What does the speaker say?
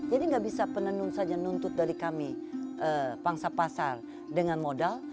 jadi nggak bisa penenun saja nuntut dari kami pangsa pasar dengan modal